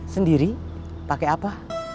sendiri pake apa